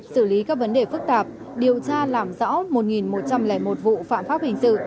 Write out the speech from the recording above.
xử lý các vấn đề phức tạp điều tra làm rõ một một trăm linh một vụ phạm pháp hình sự